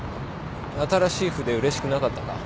新しい筆うれしくなかったか？